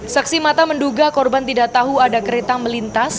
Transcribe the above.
saksi mata menduga korban tidak tahu ada kereta melintas